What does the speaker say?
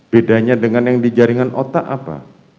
bedanya dengan yang di jaringan otak apa